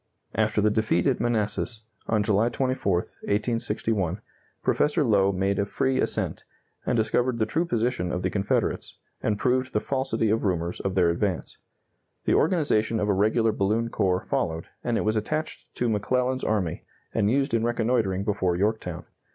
After the defeat at Manassas, on July 24, 1861, Professor Lowe made a free ascent, and discovered the true position of the Confederates, and proved the falsity of rumors of their advance. The organization of a regular balloon corps followed, and it was attached to McClellan's army, and used in reconnoitering before Yorktown.